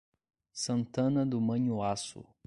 Santana do Manhuaçu